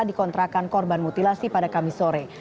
di kontrakan korban mutilasi pada kamis sore